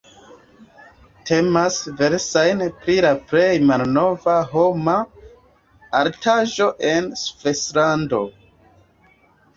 Temas verŝajne pri la plej malnova homa artaĵo en Svislando.